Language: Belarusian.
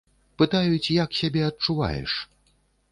Пытаюць, як сябе адчуваеш.